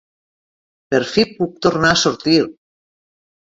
Per fi puc tornar a sortir!